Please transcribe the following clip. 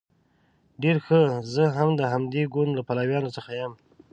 ډیر ښه زه هم د همدې ګوند له پلویانو څخه یم.